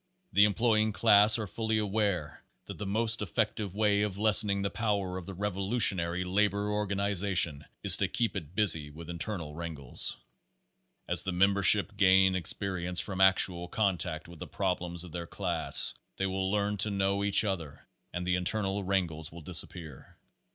The employing class are fully aware that the most effective way of lessening the power of the rev olutionary labor organization is to keep it busy with internal wrangles. As the membership gain experience from actual contact with the problems of their class they will learn to know each other and the internal wrangles will dis appear.